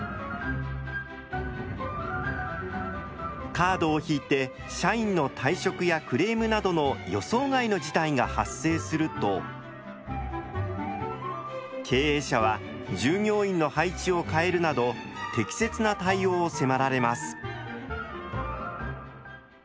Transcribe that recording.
カードを引いて社員の退職やクレームなどの予想外の事態が発生すると経営者は従業員の配置を変えるなど適切な対応を迫られます。